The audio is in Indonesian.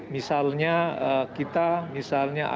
misalnya kita misalnya